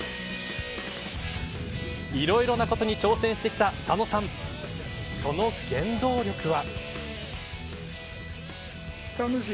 いろいろなことに挑戦してきた佐野さんその原動力は。